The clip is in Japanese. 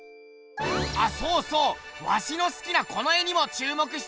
あそうそうワシのすきなこの絵にも注目しといてくれ。